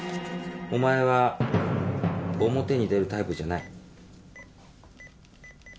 お前は表に出るタイプじゃない。